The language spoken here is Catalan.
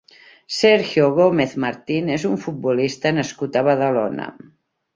Sergio Gómez Martín és un futbolista nascut a Badalona.